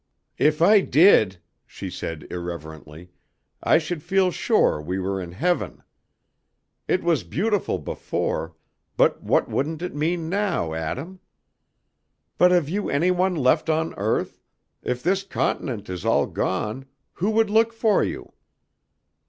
"If I did," she said irreverently, "I should feel sure we were in heaven. It was beautiful before, but what wouldn't it mean now, Adam? But have you any one left on earth; if this continent is all gone, who would look for you?